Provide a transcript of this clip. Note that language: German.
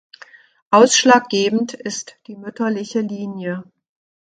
Ausschlaggebend ist die mütterliche Linie.